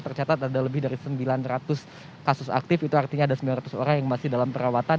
tercatat ada lebih dari sembilan ratus kasus aktif itu artinya ada sembilan ratus orang yang masih dalam perawatan